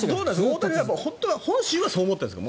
大谷さんは本心はそう思ってるんですか？